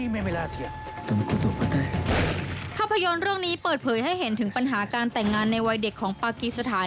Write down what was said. ภาพยนตร์เรื่องนี้เปิดเผยให้เห็นถึงปัญหาการแต่งงานในวัยเด็กของปากีสถาน